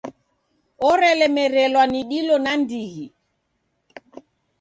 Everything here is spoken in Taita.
Orelemerelwa ni dilo nandighi.